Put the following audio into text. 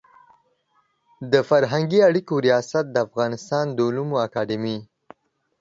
د فرهنګي اړیکو ریاست د افغانستان د علومو اکاډمي